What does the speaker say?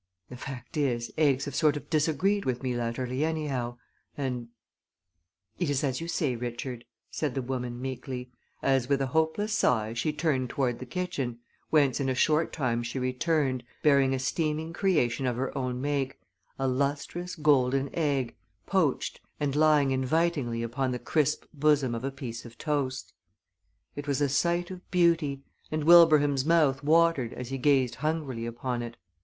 The fact is, eggs have sort of disagreed with me latterly anyhow, and " "It is as you say, Richard," said the woman, meekly, as with a hopeless sigh she turned toward the kitchen, whence in a short time she returned, bearing a steaming creation of her own make a lustrous, golden egg, poached, and lying invitingly upon the crisp bosom of a piece of toast. It was a sight of beauty, and Wilbraham's mouth watered as he gazed hungrily upon it.